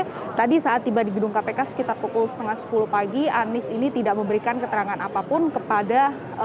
jadi tadi saat tiba di gedung kpk sekitar pukul sepuluh tiga puluh pagi anies ini tidak memberikan keterangan apapun kepada